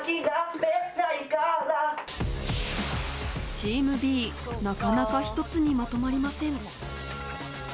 チームＢ、なかなか一つにまとまりません。